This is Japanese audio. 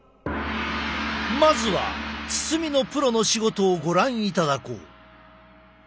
まずは包みのプロの仕事をご覧いただこう。